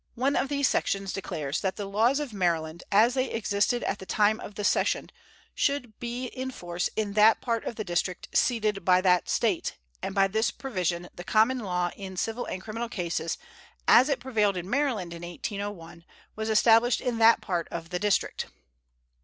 One of these sections declares that the laws of Maryland, as they existed at the time of the cession, should be in force in that part of the District ceded by that State, and by this provision the common law in civil and criminal cases, as it prevailed in Maryland in 1801, was established in that part of the District.